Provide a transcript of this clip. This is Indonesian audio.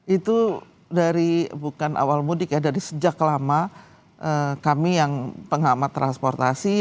itu dari bukan awal mudik ya dari sejak lama kami yang pengamat transportasi